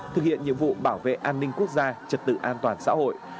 thực hiện nhiệm vụ bảo vệ an ninh quốc gia trật tự an toàn xã hội